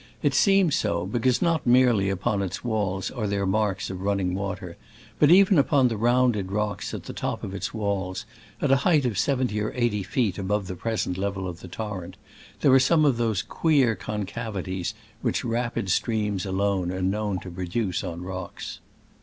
It seems so, because not merely upon its walls are there the marks of running water, but even upon the round ed rocks at the top of its walls, at a height of seventy or eighty feet above the present level of the torrent, there are some of those queer concavities which rapid streams alone are known to produce on rocks.